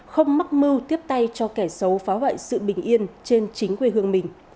không mắc mưu tiếp tay cho kẻ xấu phá hoại sự bình yên trên chính quê hương mình